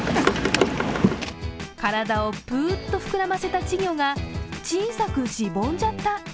体をプーッと膨らませた稚魚が小さくしぼんじゃった。